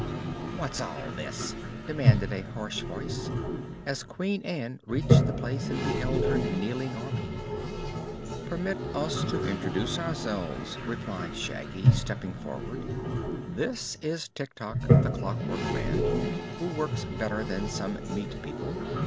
"What's all this?" demanded a harsh voice, as Queen Ann reached the place and beheld her kneeling army. "Permit us to introduce ourselves," replied Shaggy, stepping forward. "This is Tik Tok, the Clockwork Man who works better than some meat people.